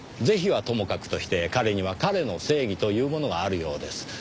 是非はともかくとして彼には彼の正義というものがあるようです。